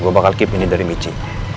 gue bakal keep ini dari michi